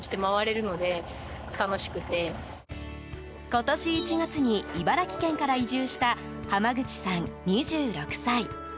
今年１月に茨城県から移住した浜口さん、２６歳。